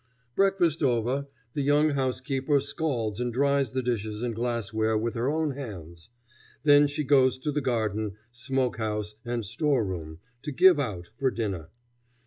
Breakfast over, the young housekeeper scalds and dries the dishes and glassware with her own hands. Then she goes to the garden, smoke house, and store room, to "give out" for dinner.